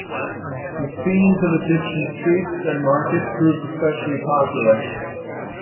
His scenes of Egyptian streets and market proved especially popular.